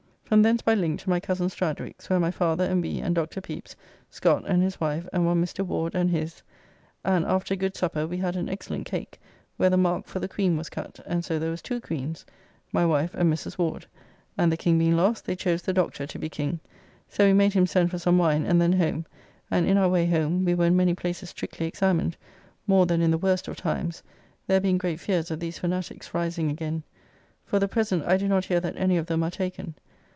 From thence by link to my cozen Stradwick's, where my father and we and Dr. Pepys, Scott, and his wife, and one Mr. Ward and his; and after a good supper, we had an excellent cake, where the mark for the Queen was cut, and so there was two queens, my wife and Mrs. Ward; and the King being lost, they chose the Doctor to be King, so we made him send for some wine, and then home, and in our way home we were in many places strictly examined, more than in the worst of times, there being great fears of these Fanatiques rising again: for the present I do not hear that any of them are taken.